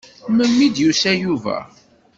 Melmi i d-yusa Yuba?